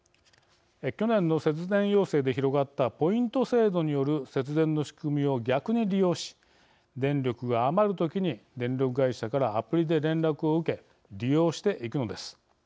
去年の節電要請で広がったポイント制度による節電の仕組みを逆に利用し電力が余る時に電力会社からアプリで連絡を受け利用していくのです。